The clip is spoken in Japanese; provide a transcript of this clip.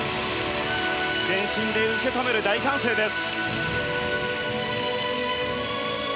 全身で受け止める大歓声です。